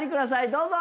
どうぞ。